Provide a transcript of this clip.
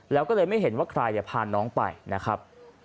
แล้วก็เลยไม่เห็นว่าใครพาน้องไปนะครับ